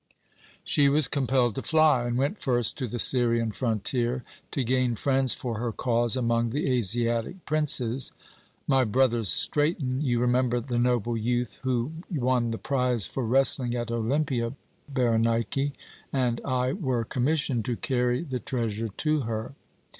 "She was compelled to fly, and went first to the Syrian frontier, to gain friends for her cause among the Asiatic princes. My brother Straton you remember the noble youth who won the prize for wrestling at Olympia, Berenike and I were commissioned to carry the treasure to her.